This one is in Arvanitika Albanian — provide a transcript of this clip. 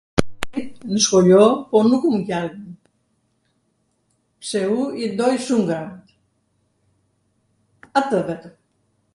nw skoljo, po nuku nqaj [???] pse u i doj shum gramatw, atw vetwm.